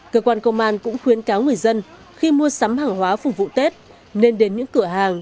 cơ quan công an cũng khuyến cáo người dân khi mua sắm hàng hóa phục vụ tết nên đến những cửa hàng